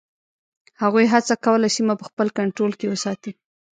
هغوی هڅه کوله سیمه په خپل کنټرول کې وساتي.